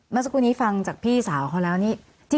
เมื่อสักครู่นี้ฟังจากพี่สาวเขาแล้วนี่